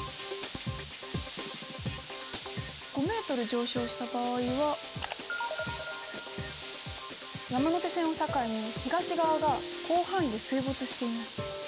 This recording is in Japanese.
５ｍ上昇した場合は山手線を境に東側が広範囲で水没しています。